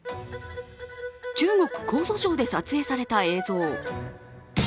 中国江蘇省で撮影された映像。